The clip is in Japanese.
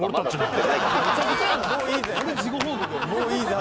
もういいゼ！